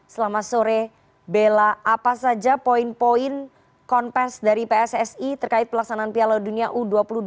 selama sore bella apa saja poin poin konfes dari pssi terkait pelaksanaan piala dunia u dua puluh dua dua ribu dua puluh tiga